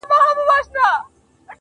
هو رشتيا.